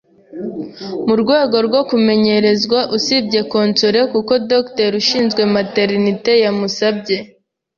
mu rwego rwo kumenyerezwa, usibye Consolée kuko Docteur ushinzwe Maternité yamusabye!